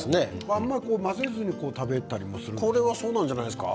あまり混ぜずに食べたりもするんですか。